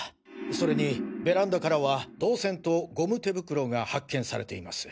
それにベランダからは銅線とゴム手袋が発見されています。